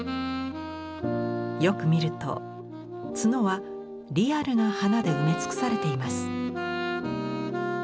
よく見ると角はリアルな花で埋め尽くされています。